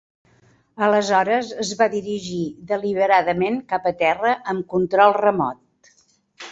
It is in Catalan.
Aleshores es va dirigir deliberadament cap a terra amb control remot.